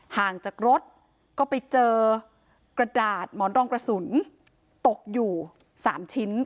ห่างจากรถก็ไปเจอกระดาษหมอนรองกระสุนตกอยู่๓ชิ้น